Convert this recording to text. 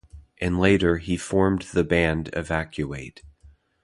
And later he formed the band Evacuate.